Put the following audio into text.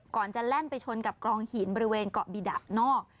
ก่อนจะแล่นไปชนกับกลองหินบริเวณเกาะบิดะนอก